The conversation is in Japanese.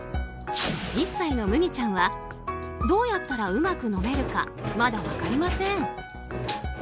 １歳のムギちゃんはどうやったらうまく飲めるかまだ分かりません。